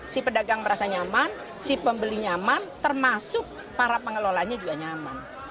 si pedagang merasa nyaman si pembeli nyaman termasuk para pengelolanya juga nyaman